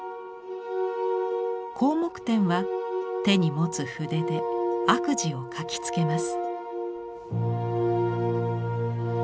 広目天は手に持つ筆で悪事を書きつけます。